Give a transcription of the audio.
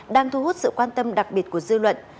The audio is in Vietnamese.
đang thu hút sự quan tâm đặc biệt của dư luận